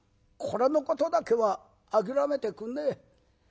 これのことだけは諦めてくんねえ。